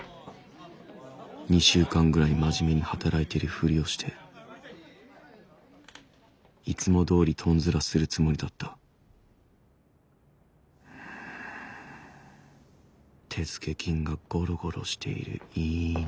２週間ぐらい真面目に働いてるふりをしていつもどおりとんずらするつもりだった手付金がゴロゴロしている